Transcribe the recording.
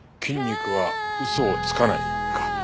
「筋肉は嘘をつかない」か。